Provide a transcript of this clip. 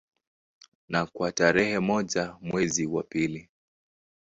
Na kwa tarehe moja mwezi wa pili